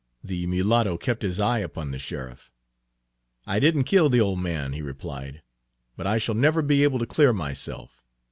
The mulatto kept his eye upon the sheriff. "I didn't kill the old man," he replied; "but I shall never be able to clear myself.